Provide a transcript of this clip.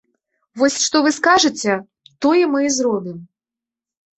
Вось, што вы скажаце, тое мы і зробім.